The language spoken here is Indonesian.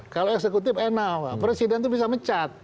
kalau eksekutif enak presiden itu bisa mecat